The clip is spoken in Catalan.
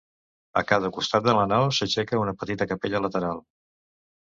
A cada costat de la nau s'aixeca una petita capella lateral.